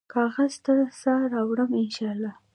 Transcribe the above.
کاغذ ته سا راوړمه ، ان شا الله